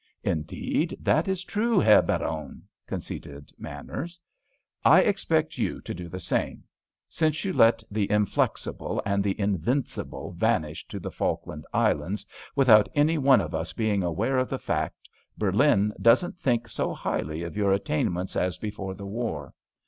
"Indeed, that is true, Herr Baron," conceded Manners. "I expect you to do the same. Since you let the Inflexible and the Invincible vanish to the Falkland Islands without any one of us being aware of the fact, Berlin doesn't think so highly of your attainments as before the war.